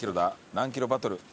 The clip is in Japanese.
何キロバトル？